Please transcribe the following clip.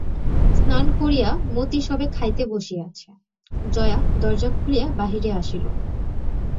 স্নান করিয়া মতি সবে খাইতে বসিয়াছে, জয়া দরজা খুলিয়া বাহিরে আসিল।